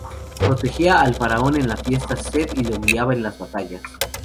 Protegía al faraón en la fiesta Sed y lo guiaba en las batallas.